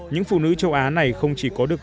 những phụ nữ châu á này không chỉ có được